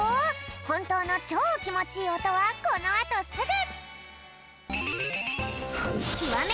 ほんとうのチョーきもちいいおとはこのあとすぐ！